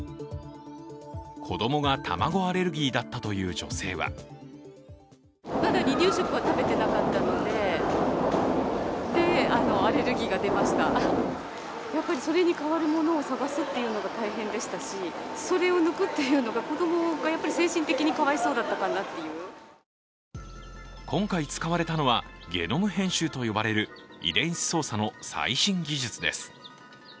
子供が卵アレルギーだったという女性は今回使われたのはゲノム編集と呼ばれる遺伝子操作の最新技術です。